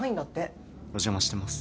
お邪魔してます。